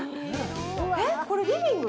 えっ、これ、リビング？